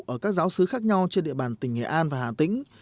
ở các giáo sứ khác nhau trên địa bàn tỉnh nghệ an và hà tĩnh